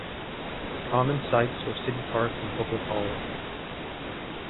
Common sites were city parks and public halls.